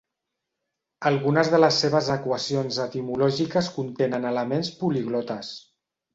Algunes de les seves equacions etimològiques contenen elements poliglotes.